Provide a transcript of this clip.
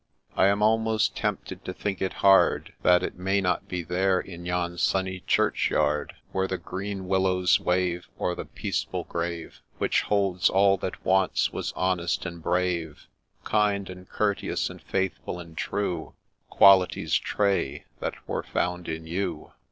I am almost tempted to think it hard That it may not be there, in yon sunny churchyard, Where the green willows wave O'er the peaceful grave, Which holds all that once was honest and brave, Kind, and courteous, and faithful, and true ; Qualities, Tray, that were found in you.